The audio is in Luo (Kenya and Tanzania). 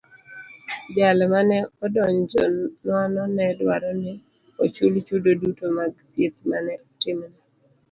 Jal mane odonjonwano ne dwaro ni ochul chudo duto mag thieth mane otimne.